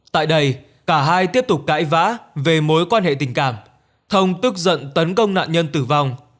tại đây cả hai tiếp tục cãi vã về mối quan hệ tình cảm thông tức giận tấn công nạn nhân tử vong